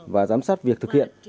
và giám sát việc thực hiện